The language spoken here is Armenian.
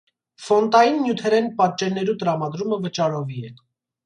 Ֆոնտային նիւթերէն պատճեններու տրամադրումը վճարովի է։